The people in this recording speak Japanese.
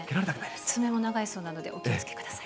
爪も長いそうなんで、お気を気をつけてください。